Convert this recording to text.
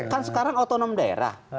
kan sekarang otonom daerah